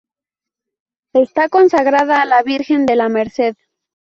Está consagrada a la Virgen de la Merced.